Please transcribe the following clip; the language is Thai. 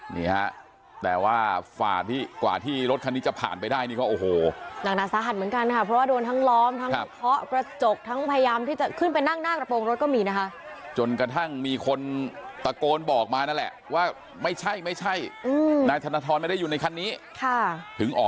นะครับแต่ว่ากว่าที่กว่าที่รถคันนี้จะผ่านไปได้นี่ก็โอโห